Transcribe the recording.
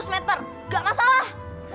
dua ratus meter gak masalah